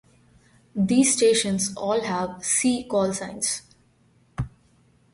These stations all have "C" callsigns.